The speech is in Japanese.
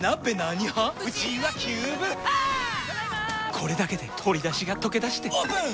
これだけで鶏だしがとけだしてオープン！